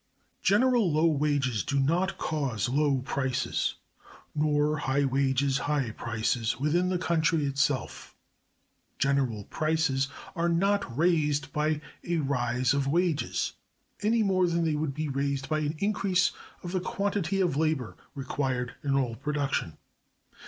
(290) General low wages do not cause low prices, nor high wages high prices, within the country itself. General prices are not raised by a rise of wages, any more than they would be raised by an increase of the quantity of labor required in all production.